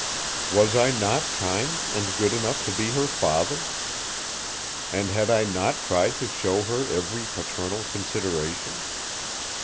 Was I not kind and good enough to be her father, and had I not tried to show her every paternal consideration?